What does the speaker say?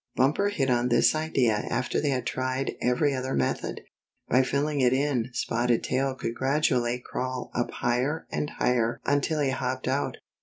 Bumper hit on this idea after they had tried every other method. By filling it in Spotted Tail could gradually crawl up higher and higher until he hopped out.